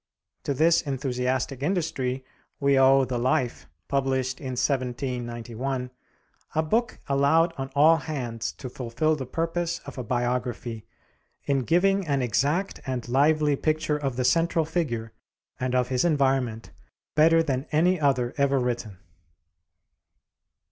To this enthusiastic industry we owe the 'Life,' published in 1791, a book allowed on all hands to fulfill the purpose of a biography, in giving an exact and lively picture of the central figure and of his environment better than any other ever written.